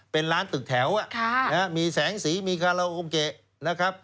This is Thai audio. เป็นร้านตึกแถวมีแสงสีมีคาราโอเกะนะครับ